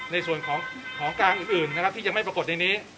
ในส่วนของกลางอื่นที่ยังไม่ปรากฏในนี้